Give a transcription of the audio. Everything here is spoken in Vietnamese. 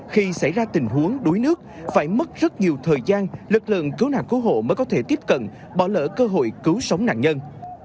khi xảy ra tình huống đuối nước phải mất rất nhiều thời gian lực lượng cứu nạn cứu hộ mới có thể tiếp cận bỏ lỡ cơ hội cứu sống nạn nhân